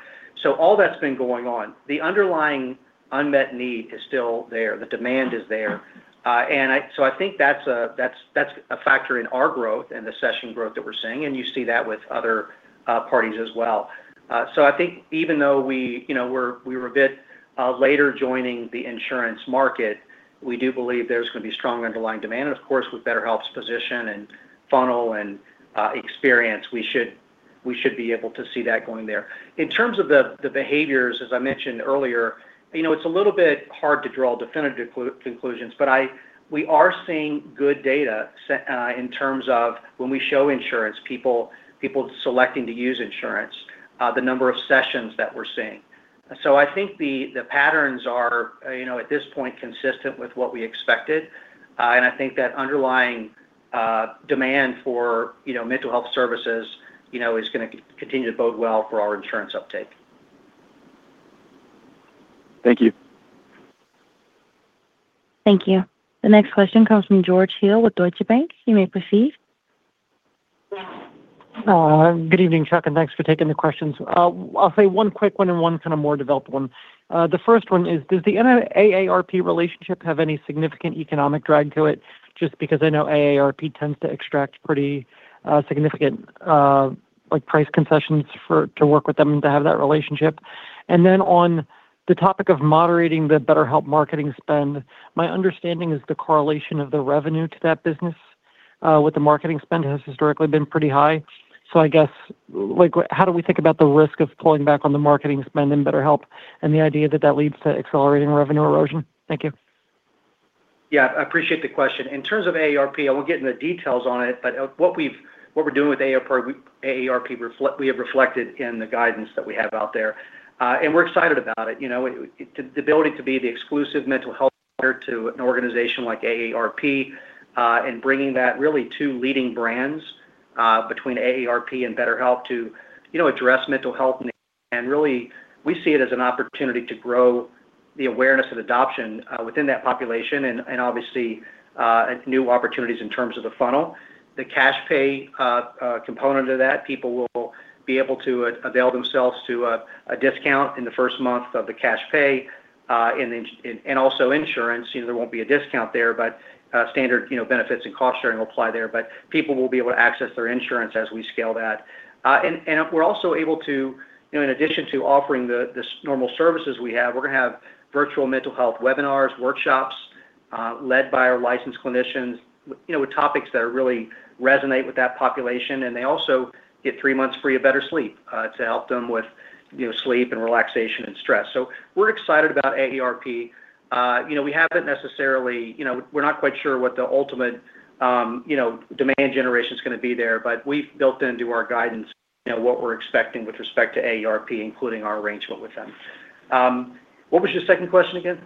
All that's been going on. The underlying unmet need is still there, the demand is there. so I think that's a factor in our growth and the session growth that we're seeing, and you see that with other parties as well. so I think even though we, you know, we were a bit later joining the insurance market, we do believe there's gonna be strong underlying demand. Of course, with BetterHelp's position and funnel and experience, we should be able to see that going there. In terms of the behaviors, as I mentioned earlier, you know, it's a little bit hard to draw definitive conclusions, but we are seeing good data in terms of when we show insurance, people selecting to use insurance, the number of sessions that we're seeing. I think the patterns are, you know, at this point, consistent with what we expected. I think that underlying demand for, you know, mental health services, you know, is gonna continue to bode well for our insurance uptake. Thank you. Thank you. The next question comes from George Hill with Deutsche Bank. You may proceed. Good evening, Chuck, and thanks for taking the questions. I'll say one quick one and one kind of more developed one. The first one is, does the AARP relationship have any significant economic drag to it? Just because I know AARP tends to extract pretty, significant, like, price concessions for, to work with them to have that relationship. On the topic of moderating the BetterHelp marketing spend, my understanding is the correlation of the revenue to that business, with the marketing spend, has historically been pretty high. I guess, like, how do we think about the risk of pulling back on the marketing spend in BetterHelp, and the idea that that leads to accelerating revenue erosion? Thank you. Yeah, I appreciate the question. In terms of AARP, I won't get into the details on it, what we're doing with AARP, we have reflected in the guidance that we have out there, and we're excited about it. You know, the ability to be the exclusive mental health provider to an organization like AARP, and bringing that really two leading brands, between AARP and BetterHelp to, you know, address mental health needs. Really, we see it as an opportunity to grow the awareness of adoption, within that population, and obviously, new opportunities in terms of the funnel. The cash pay, component of that, people will be able to avail themselves to a discount in the first month of the cash pay, and also insurance. You know, there won't be a discount there, but standard benefits and cost sharing will apply there. People will be able to access their insurance as we scale that. We're also able to in addition to offering the normal services we have, we're gonna have virtual mental health webinars, workshops, led by our licensed clinicians with topics that are really resonate with that population. They also get 3 months free of BetterSleep to help them with sleep and relaxation and stress. We're excited about AARP. We haven't necessarily. You know, we're not quite sure what the ultimate demand generation is gonna be there, but we've built into our guidance what we're expecting with respect to AARP, including our arrangement with them. What was your second question again?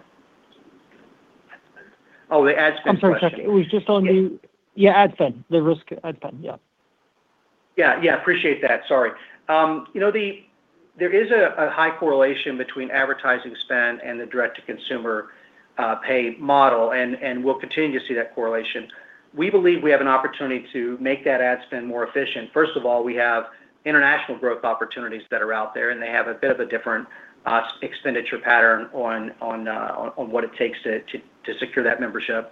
Oh, the ad spend question. I'm sorry, Chuck. It was just onad spend. The risk, ad spend, yeah. Yeah, yeah. Appreciate that. Sorry. You know, there is a high correlation between advertising spend and the direct to consumer pay model, and we'll continue to see that correlation. We believe we have an opportunity to make that ad spend more efficient. First of all, we have international growth opportunities that are out there, and they have a bit of a different expenditure pattern on what it takes to secure that membership.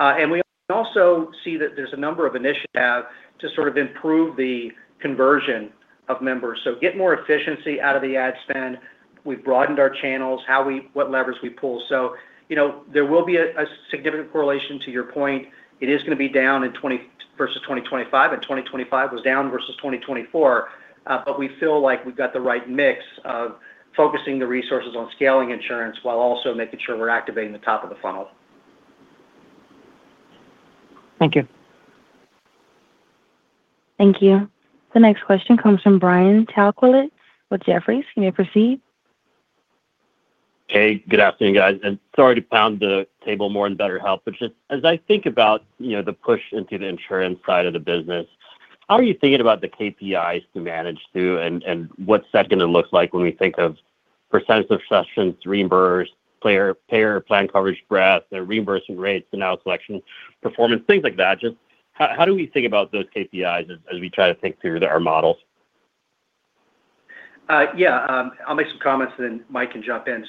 We also see that there's a number of initiatives to sort of improve the conversion of members. Get more efficiency out of the ad spend. We've broadened our channels, how we what levers we pull. You know, there will be a significant correlation to your point. It is gonna be down in 2026 versus 2025, and 2025 was down versus 2024. We feel like we've got the right mix of focusing the resources on scaling insurance while also making sure we're activating the top of the funnel. Thank you. Thank you. The next question comes from Brian Tanquilut with Jefferies. You may proceed. Hey, good afternoon, guys, sorry to pound the table more on BetterHelp. Just as I think about, you know, the push into the insurance side of the business, how are you thinking about the KPIs to manage through? What's that going to look like when we think of percent of sessions reimbursed, payer plan coverage breadth, the reimbursing rates, denial selection, performance, things like that? Just how do we think about those KPIs as we try to think through our models? I'll make some comments, and then Mike can jump in.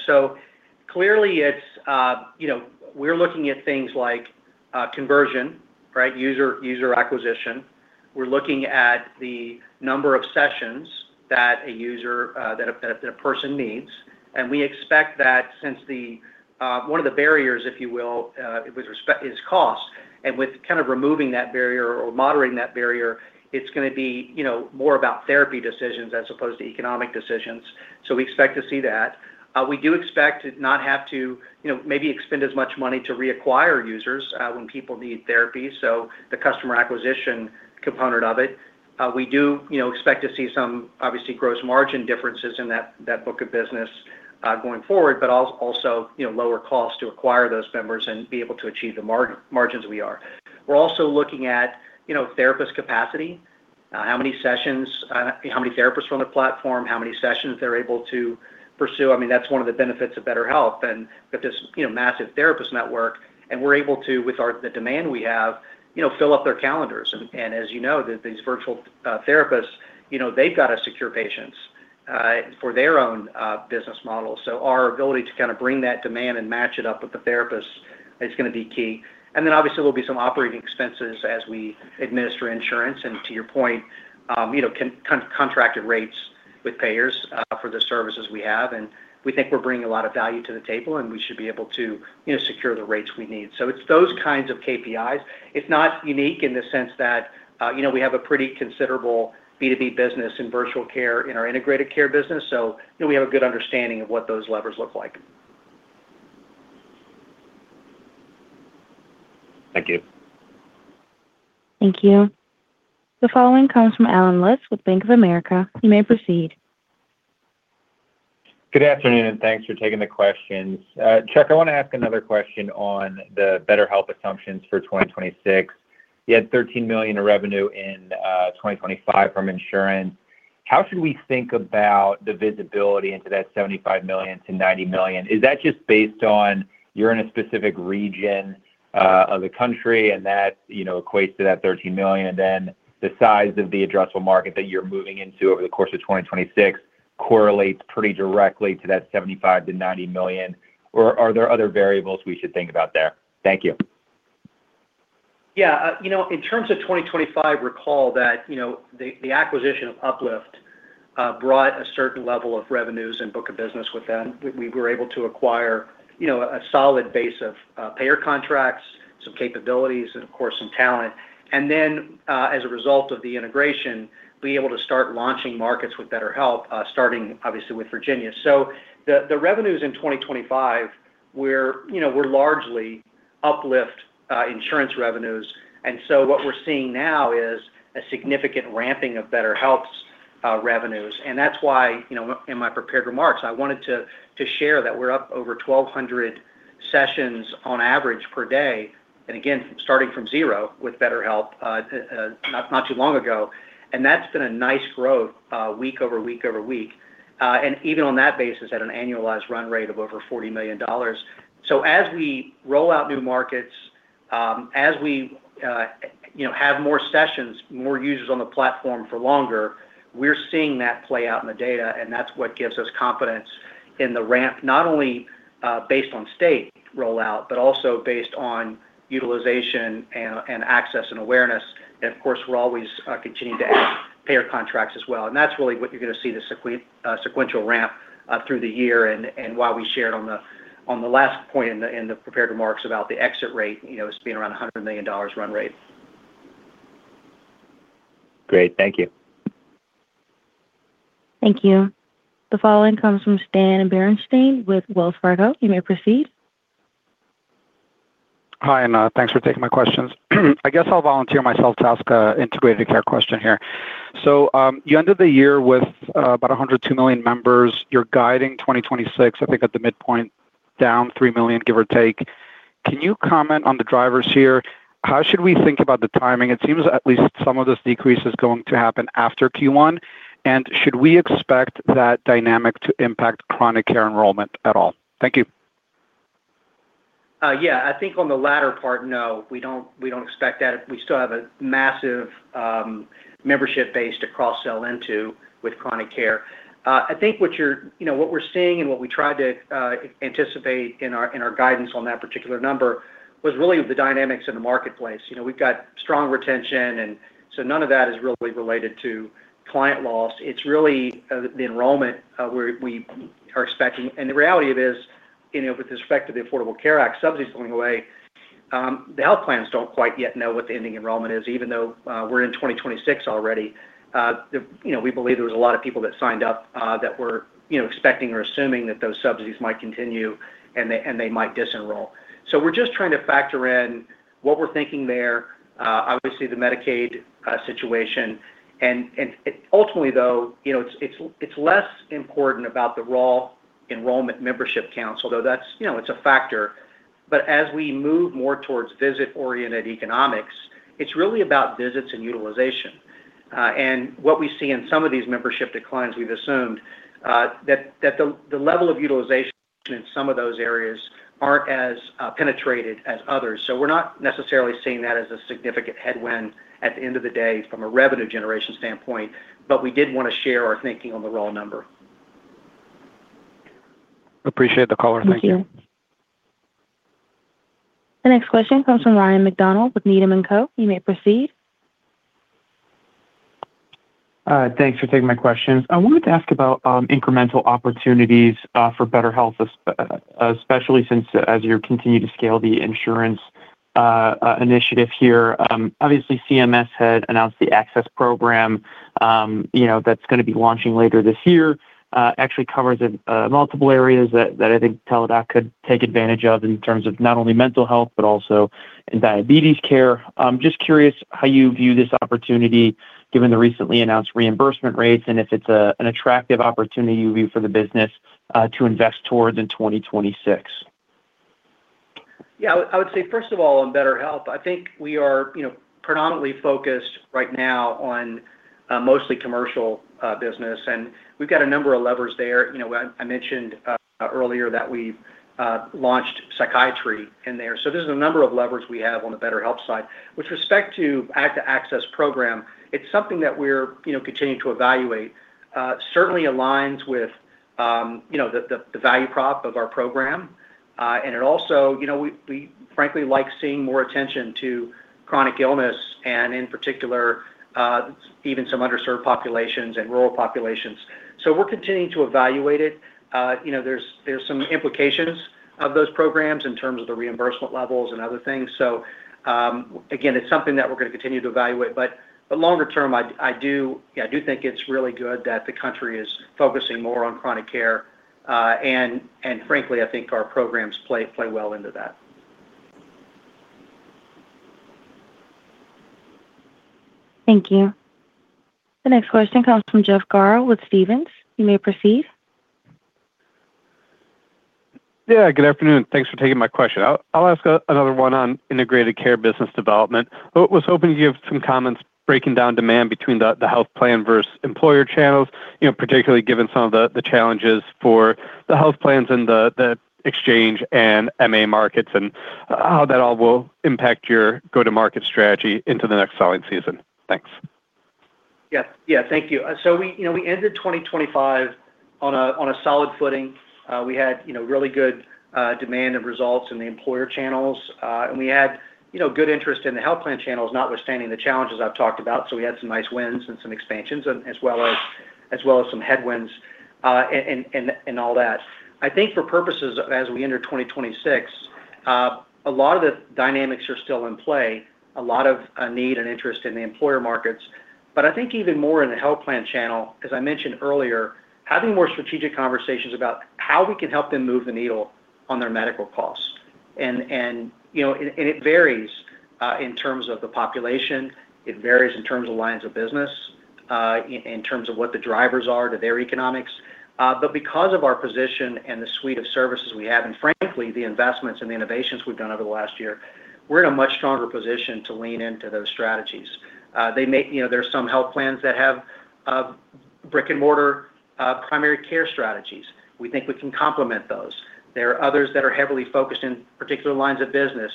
Clearly, it's, you know, we're looking at things like conversion, right? User acquisition. We're looking at the number of sessions that a user, that a person needs, and we expect that one of the barriers, if you will, with respect is cost. With kind of removing that barrier or moderating that barrier, it's gonna be more about therapy decisions as opposed to economic decisions. We expect to see that. We do expect to not have to, you know, maybe expend as much money to reacquire users, when people need therapy, so the customer acquisition component of it. We do expect to see some obviously gross margin differences in that book of business, going forward, but also lower costs to acquire those members and be able to achieve the margins we are. We're also looking at therapist capacity, how many sessions, how many therapists are on the platform, how many sessions they're able to pursue. I mean, that's one of the benefits of BetterHelp and with this massive therapist network, and we're able to, with the demand we have fill up their calendars. As you know, these virtual therapists they've got to secure patients for their own business model. Our ability to kind of bring that demand and match it up with the therapists is gonna be key. Obviously, there'll be some operating expenses as we administer insurance, and to your point, you know, contracted rates with payers, for the services we have. We think we're bringing a lot of value to the table, and we should be able to secure the rates we need. It's those kinds of KPIs. It's not unique in the sense that we have a pretty considerable B2B business in virtual care, in our integrated care business, we have a good understanding of what those levers look like. Thank you. Thank you. The following comes from Allen Lutz with Bank of America. You may proceed. Good afternoon, and thanks for taking the questions. Chuck, I wanna ask another question on the BetterHelp assumptions for 2026. You had $13 million in revenue in 2025 from insurance. How should we think about the visibility into that $75 million to $90 million? Is that just based on you're in a specific region of the country, and that, you know, equates to that $13 million, and then the size of the addressable market that you're moving into over the course of 2026 correlates pretty directly to that $75 million to $90 million, or are there other variables we should think about there? Thank you. You know, in terms of 2025, recall that, you know, the acquisition of UpLift brought a certain level of revenues and book of business with them. We, we were able to acquire, you know, a solid base of payer contracts, some capabilities, and of course, some talent. As a result of the integration, be able to start launching markets with BetterHelp, starting obviously with Virginia. The revenues in 2025 were, you know, were largely UpLift insurance revenues. What we're seeing now is a significant ramping of BetterHelp's revenues. That's why, you know, in my prepared remarks, I wanted to share that we're up over 1,200 sessions on average per day, and again, starting from 0 with BetterHelp, not too long ago. That's been a nice growth week over week over week. Even on that basis, at an annualized run rate of over $40 million. As we roll out new markets, as we, you know, have more sessions, more users on the platform for longer, we're seeing that play out in the data, and that's what gives us confidence in the ramp, not only based on state rollout, but also based on utilization and access and awareness. Of course, we're always continuing to add payer contracts as well. That's really what you're gonna see, the sequential ramp through the year and why we shared on the last point in the prepared remarks about the exit rate, you know, as being around a $100 million run rate. Great. Thank you. Thank you. The following comes from Stan Berenshteyn with Wells Fargo. You may proceed. Hi, thanks for taking my questions. I guess I'll volunteer myself to ask a integrated care question here. You ended the year with about 102 million members. You're guiding 2026, I think, at the midpoint, down 3 million, give or take. Can you comment on the drivers here? How should we think about the timing? It seems at least some of this decrease is going to happen after Q1. Should we expect that dynamic to impact chronic care enrollment at all? Thank you. Yeah, I think on the latter part, no, we don't expect that. We still have a massive membership base to cross-sell into with chronic care. I think what you're, you know, what we're seeing and what we tried to anticipate in our, in our guidance on that particular number was really the dynamics in the marketplace. You know, we've got strong retention, and so none of that is really related to client loss. It's really the enrollment where we are expecting. The reality of it is, you know, with respect to the Affordable Care Act, subsidies going away, the health plans don't quite yet know what the ending enrollment is, even though we're in 2026 already. The, you know, we believe there was a lot of people that signed up, that were, you know, expecting or assuming that those subsidies might continue, and they might disenroll. So we're just trying to factor in what we're thinking there, obviously, the Medicaid situation. Ultimately, though, you know, it's less important about the raw enrollment membership count, although that's, you know, it's a factor. But as we move more towards visit-oriented economics, it's really about visits and utilization. What we see in some of these membership declines, we've assumed that the level of utilization in some of those areas aren't as penetrated as others. We're not necessarily seeing that as a significant headwind at the end of the day, from a revenue generation standpoint, but we did want to share our thinking on the raw number. Appreciate the color. Thank you. Thank you. The next question comes from Ryan MacDonald with Needham & Company. You may proceed. Thanks for taking my questions. I wanted to ask about incremental opportunities for BetterHelp, especially since as you continue to scale the insurance initiative here. Obviously, CMS had announced the ACCESS program, you know, that's gonna be launching later this year, actually covers multiple areas that I think Teladoc could take advantage of in terms of not only mental health, but also in diabetes care. I'm just curious how you view this opportunity, given the recently announced reimbursement rates, and if it's an attractive opportunity you view for the business to invest towards in 2026. Yeah, I would say, first of all, in BetterHelp, I think we are predominantly focused right now on mostly commercial business, and we've got a number of levers there. You know, I mentioned earlier that we've launched psychiatry in there. There's a number of levers we have on the BetterHelp side. With respect to ACCESS program, it's something that we're continuing to evaluate. Certainly aligns with the value prop of our program, and it also we frankly like seeing more attention to chronic illness and in particular, even some underserved populations and rural populations. We're continuing to evaluate it. You know, there's some implications of those programs in terms of the reimbursement levels and other things. Again, it's something that we're gonna continue to evaluate, but the longer term, I do think it's really good that the country is focusing more on chronic care, and frankly, I think our programs play well into that. Thank you. The next question comes from Jeff Garro with Stephens. You may proceed. Yeah, good afternoon. Thanks for taking my question. I'll ask another one on integrated care business development. Was hoping to give some comments breaking down demand between the health plan versus employer channels, you know, particularly given some of the challenges for the health plans and the exchange and MA markets, and how that all will impact your go-to-market strategy into the next selling season. Thanks. Yes. Yeah, thank you. We, you know, we ended 2025 on a solid footing. We had, you know, really good demand and results in the employer channels, and we had, you know, good interest in the health plan channels, notwithstanding the challenges I've talked about. We had some nice wins and some expansions as well as some headwinds and all that. I think for purposes as we enter 2026, a lot of the dynamics are still in play, a lot of need and interest in the employer markets. I think even more in the health plan channel, as I mentioned earlier, having more strategic conversations about how we can help them move the needle on their medical costs. You know, it varies in terms of the population, it varies in terms of lines of business, in terms of what the drivers are to their economics. Because of our position and the suite of services we have, and frankly, the investments and the innovations we've done over the last year, we're in a much stronger position to lean into those strategies. They may, you know, there are some health plans that have brick-and-mortar primary care strategies. We think we can complement those. There are others that are heavily focused in particular lines of business,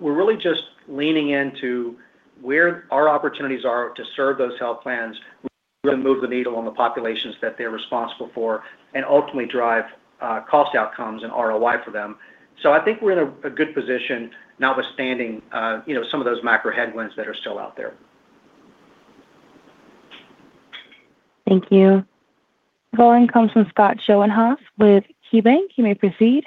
we're really just leaning into where our opportunities are to serve those health plans, really move the needle on the populations that they're responsible for, and ultimately drive cost outcomes and ROI for them. I think we're in a good position, notwithstanding, you know, some of those macro headwinds that are still out there. Thank you. Following comes from Scott Schoenhaus with KeyBanc. You may proceed.